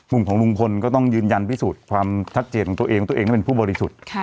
มุมของลุงคนก็ต้องยืนยันพิสุทธิ์ความชัดเจียร์ของตัวเองที่ต้องเป็นผู้บริสุทธิ์